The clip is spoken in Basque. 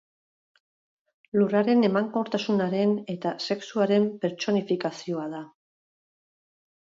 Lurraren emankortasunaren eta sexuaren pertsonifikazioa da.